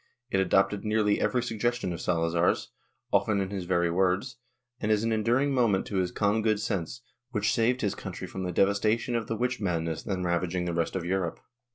It adopted nearly every suggestion of Salazar's, often in his very words, and is an enduring monument to his calm good sense, which saved his country from the devastation of the witch mad ness then ravaging the rest of Europe.